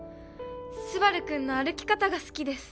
スバル君の歩き方が好きです